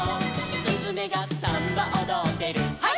「すずめがサンバおどってる」「ハイ！」